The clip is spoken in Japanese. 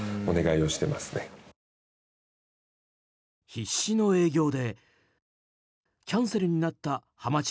必死の営業でキャンセルになったハマチ